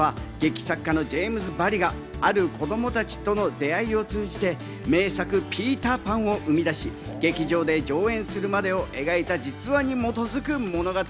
こちらは劇作家のジェームズ・バリがある子供たちとの出会いを通じて名作『ピーターパン』を生み出し、劇場で上演するまでを描いた実話に基づく物語。